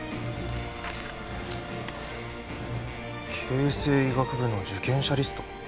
慶西医学部の受験者リスト？